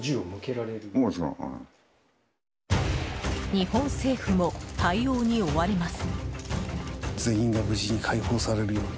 日本政府も対応に追われます。